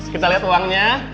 kita lihat uangnya